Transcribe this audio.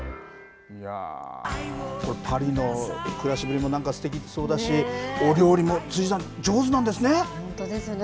パリの暮らしぶりもなんかすてきそうだし、お料理も、辻さん、上本当ですよね。